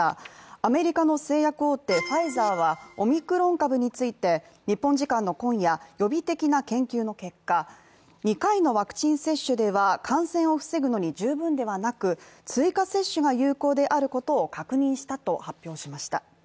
アメリカの製薬大手ファイザーはオミクロン株について、日本時間の今夜予備的な研究の結果、２回のワクチン接種では、感染を防ぐのに十分ではなく、追加接種が有効であることを確認したと発表しました